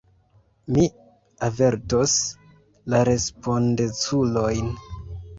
Mi avertos la respondeculojn.